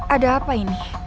ada apa ini